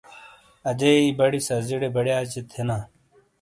اجیئی بڑی سازیڑے بڑیئاجے تھینا۔